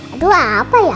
aduh apa ya